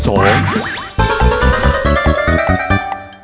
โอ้โอ้โอ้โอ้โอ้